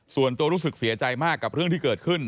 ส่วนตัวรู้สึกเสียใจมากกับเรื่องที่เกิดขึ้น